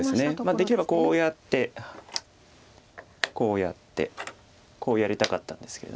できればこうやってこうやってこうやりたかったんですけれど。